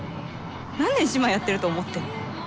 何年姉妹やってると思ってんの。